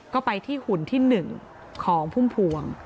ก็ไปที่หุ่นที่๑ของพุ่มพวง